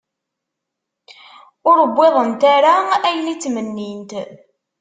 Ur wwiḍent ara ayen i ttmennint.